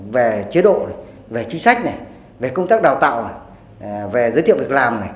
về chế độ về chính sách về công tác đào tạo về giới thiệu việc làm